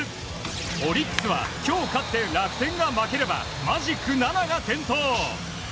オリックスは今日勝って楽天が負ければマジック７が点灯。